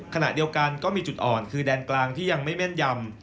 ขณะเดียวกันก็มีจุดอ่อนคือแดนกลางที่ยังไม่แม่นยำ